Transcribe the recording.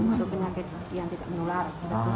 untuk penyakit yang tidak menular